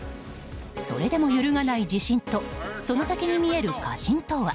それでも揺るがない自信とその先に見える過信とは。